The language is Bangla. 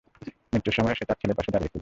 মৃত্যুর সময়ও সে তার ছেলের পাশে দাঁড়িয়েছিল।